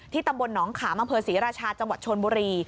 ที่ตำบลหนองขามศรีราชาจชนบุรี